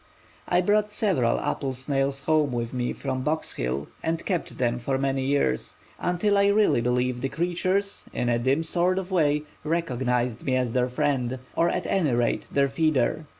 I brought several apple snails home with me from Box Hill and kept them for many years, until I really believe the creatures, in a dim sort of way, recognized me as their friend, or at any rate their feeder.